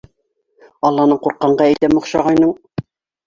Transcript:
Алланан ҡурҡҡанға әйтәм оҡшағайның!